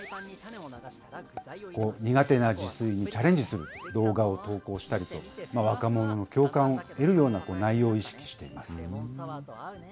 苦手な自炊にチャレンジする動画を投稿したりと、若者の共感を得るような内容を意識しています。